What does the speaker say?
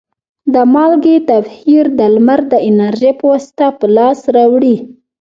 د مالګې تبخیر د لمر د انرژي په واسطه په لاس راوړي.